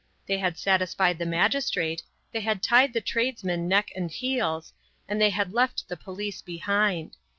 They had satisfied the magistrate, they had tied the tradesman neck and heels, and they had left the police behind.